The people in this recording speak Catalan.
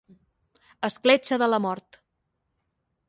Escletxa de la mort